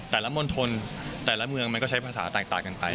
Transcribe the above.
แต่ละมนตรธนแต่ละเมืองมันก็ใช้ภาษาต่างกันไป